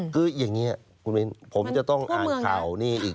คุณวินผมจะอ่านข่าวนี้